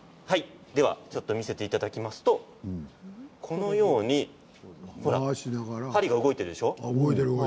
では、ちょっと見せていただきますとこのように針が動いているでしょう？